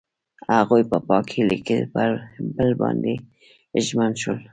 هغوی په پاک هیلې کې پر بل باندې ژمن شول.